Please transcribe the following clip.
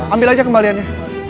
ambil aja kembaliannya